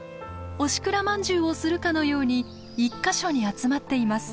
押しくらまんじゅうをするかのように１か所に集まっています。